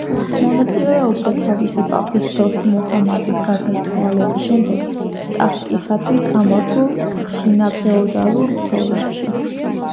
მონაწილეობდა თავისი პაპის დოსთ მუჰამადის გარდაცვალების შემდეგ ტახტისათვის გამართულ შინაფეოდალურ ბრძოლებში.